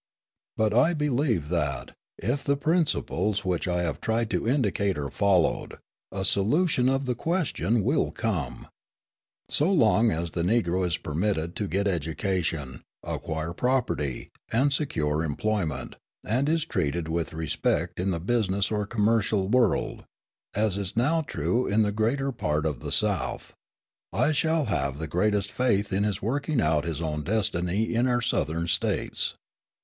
But I believe that, if the principles which I have tried to indicate are followed, a solution of the question will come. So long as the Negro is permitted to get education, acquire property, and secure employment, and is treated with respect in the business or commercial world, as is now true in the greater part of the South, I shall have the greatest faith in his working out his own destiny in our Southern States.